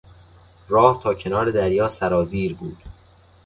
راه تا کنار دریا سرازیر بود.